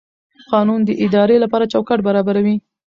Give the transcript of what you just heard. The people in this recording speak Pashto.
قانون د ادارې لپاره چوکاټ برابروي.